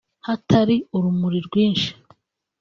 hatari urumuri rwinshi